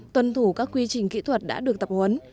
tuân thủ các quy trình kỹ thuật đã được tập huấn